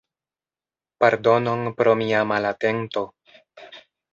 Pardonon pro mia malatento.